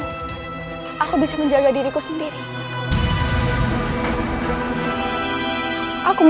ya kamu teh kerjanya benih bagus pisang